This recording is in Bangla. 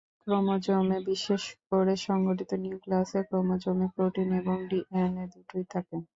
ক্রোমোজোমে, বিশেষ করে সুগঠিত নিউক্লিয়াসের ক্রোমোজোমে "প্রোটিন" এবং "ডি এন এ" দুটোই থাকে।